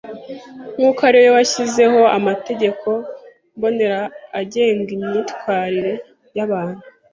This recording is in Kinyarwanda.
nk’uko ari We washyizeho amategeko mbonera agenga imyitwarire y’abantu.